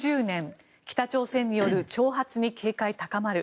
北朝鮮による挑発に警戒が高まる。